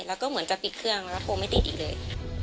แล้วก็เหมือนจะปิดเครื่องแล้วโทรไม่ติดอีกเลย